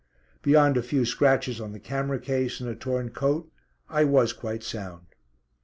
Beyond a few scratches on the camera case and a torn coat, I was quite sound.